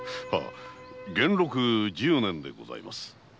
元禄十年でございます。